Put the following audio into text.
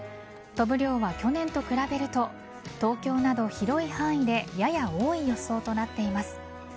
飛ぶ量は去年と比べると東京など広い範囲でやや多い予想となっています。